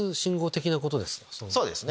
そうですね。